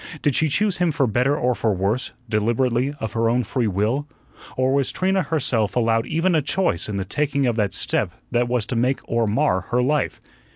Did she choose him for better or for worse, deliberately, of her own free will, or was Trina herself allowed even a choice in the taking of that step that was to make or mar her life?